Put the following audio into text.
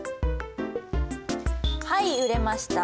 はい売れました。